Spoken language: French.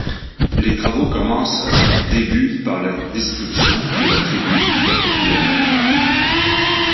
Les travaux commencent début par la destruction de la tribune Pen Huel.